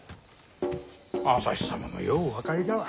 旭様もようお分かりだわ。